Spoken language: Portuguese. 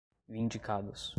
vindicados